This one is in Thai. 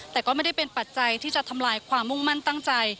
แต่ก็ไม่ได้เป็นปัจจัยที่จะทำลายความมุ่งมั่นตั้งใจ